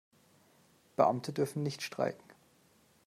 Beamte dürfen nicht streiken.